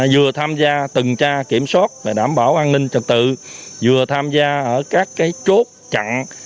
vừa tham gia tần tra kiểm soát và đảm bảo an ninh trật tự vừa tham gia ở các cái chốt chặn